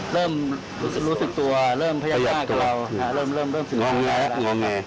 เริ่มรู้สึกตัวเริ่มพยายามหน้ากับเรา